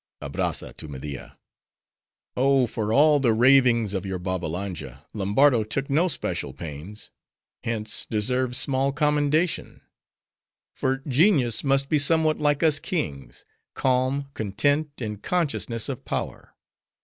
ABRAZZA (to Media)—Oh, for all the ravings of your Babbalanja, Lombardo took no special pains; hence, deserves small commendation. For, genius must be somewhat like us kings,—calm, content, in consciousness of power.